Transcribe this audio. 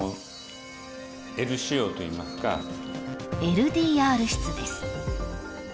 ［ＬＤＲ室です］